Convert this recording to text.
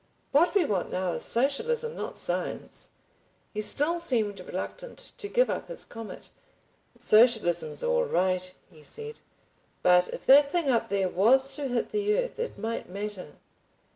What we want now is socialism—not science." He still seemed reluctant to give up his comet. "Socialism's all right," he said, "but if that thing up there was to hit the earth it might matter."